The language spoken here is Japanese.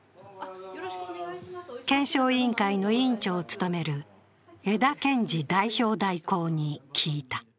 検証委員会の委員長を務める江田憲司代表代行に聞いた。